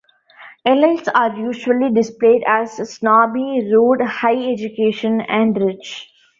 Elites are usually displayed as snobby, rude, high education and rich.